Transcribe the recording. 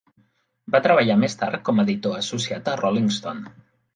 Va treballar més tard com editor associat a "Rolling Stone".